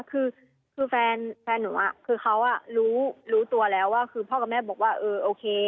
คือแฟนหนูคือเขารู้ตัวแล้วว่าคือพ่อกับแม่บอกว่าเออโอเค